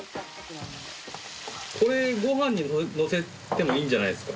これご飯にのせてもいいんじゃないですか？